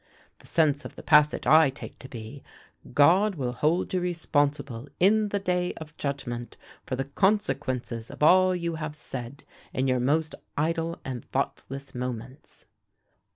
The sense of the passage I take to be, 'God will hold you responsible in the day of judgment for the consequences of all you have said in your most idle and thoughtless moments.'"